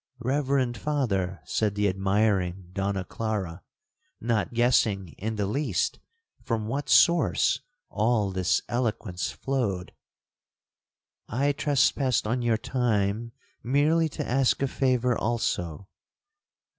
'—'Reverend Father,' said the admiring Donna Clara, not guessing, in the least, from what source all this eloquence flowed, 'I trespassed on your time merely to ask a favour also.'